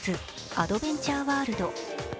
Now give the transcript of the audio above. アドベンチャーワールド。